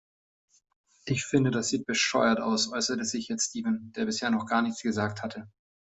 Ich finde, das sieht bescheuert aus, äußerte sich jetzt Steven, der bisher noch gar nichts gesagt hatte.